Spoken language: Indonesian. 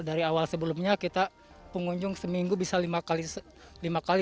dari awal sebelumnya kita pengunjung seminggu bisa lima kali